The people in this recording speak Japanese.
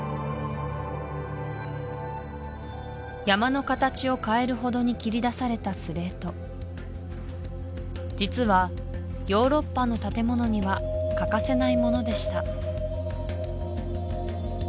山の形を変えるほどに切り出されたスレート実はヨーロッパの建物には欠かせないものでした